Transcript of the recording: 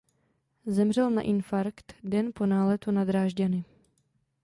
Zemřel na infarkt den po náletu na Drážďany.